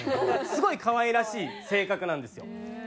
すごい可愛らしい性格なんですよ。